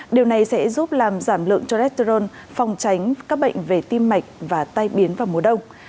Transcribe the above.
điều này sẽ giúp làm giảm lượng cholesterol phòng tránh các bệnh về tim mạch và tai biến vào mùa đông